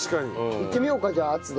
いってみようかじゃあ熱で。